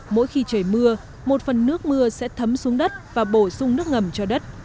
mỗi khi trời mưa một phần nước mưa sẽ thấm xuống đất và bổ sung nước ngầm cho đất